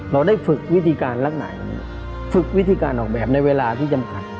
เราได้ฝึกวิธีการลักษณะไหนฝึกวิธีการออกแบบในเวลาที่จำกัด